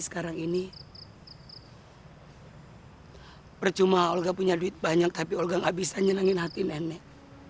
sekarang ini percuma orga punya duit banyak tapi orga gak bisa nyenangin hati nenek